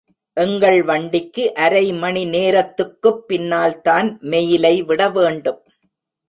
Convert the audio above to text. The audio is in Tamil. எங்கள் வண்டிக்கு அரைமணி நேரத்துக்குப் பின்னால்தான் மெயிலை விட வேண்டும்.